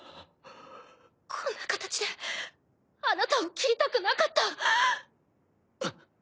こんな形であなたを斬りたくなかった。